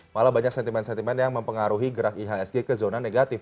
malah banyak sentimen sentimen yang mempengaruhi gerak ihsg ke zona negatif